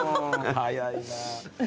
早いな。